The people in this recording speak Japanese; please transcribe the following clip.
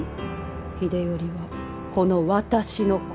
秀頼はこの私の子。